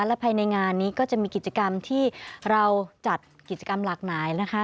และภายในงานนี้ก็จะมีกิจกรรมที่เราจัดกิจกรรมหลากหลายนะคะ